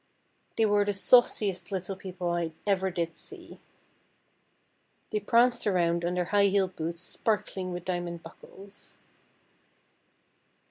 They were the sauciest Little People I ever did see. They pranced around on their high heeled boots sparkling with diamond buckles.